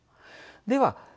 では